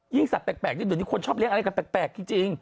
ยิ่งสัตว์แปลกอยู่ที่คนชอบเลี้ยงอะไรกันแปลกจริง